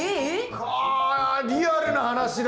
あリアルな話だ。